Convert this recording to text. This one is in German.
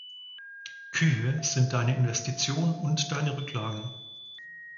Kühe sind deine Investition und deine Rücklagen.